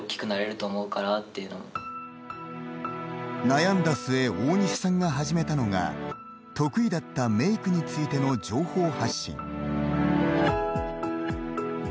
悩んだ末大西さんが始めたのが得意だったメイクについての情報発信。